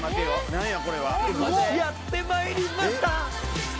何やこれはやってまいりました